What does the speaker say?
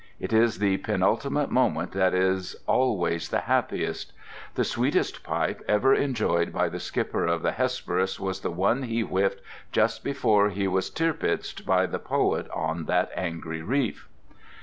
It is the penultimate moment that is always the happiest. The sweetest pipe ever enjoyed by the skipper of the Hesperus was the one he whiffed just before he was tirpitzed by the poet on that angry reef.